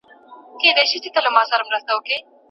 رامعلومه مي کعبه ده لار به څنګه ورکومه